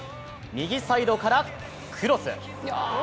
右サイドからクロス！